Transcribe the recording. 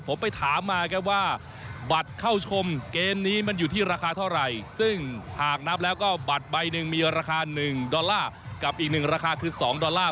ผมไปถามมาครับว่าบัตรเข้าชมเกมนี้มันอยู่ที่ราคาเท่าไหร่ซึ่งหากนับแล้วก็บัตรใบหนึ่งมีราคา๑ดอลลาร์กับอีกหนึ่งราคาคือ๒ดอลลาร์